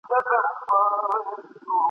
ته بېشکه هم ښایسته یې هم رنګینه !.